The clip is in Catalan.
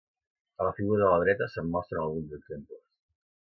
A la figura de la dreta se'n mostren alguns exemples.